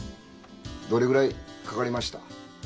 どれぐらいかかりました？